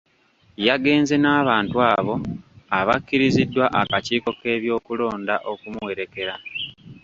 Yagenze n'abantu abo abakkiriziddwa akakiiko k'ebyokulonda okumuwerekera.